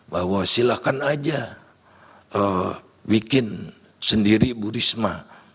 bahwa silahkan aja bikin sendiri bu risma